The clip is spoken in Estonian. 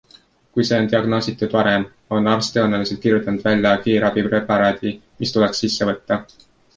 Kui see on diagnoositud varem, on arst tõenäoliselt kirjutanud välja kiirabipreparaadi, mis tuleks sisse võtta.